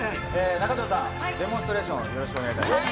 中条さん、デモンストレーション、よろしくお願いいたします。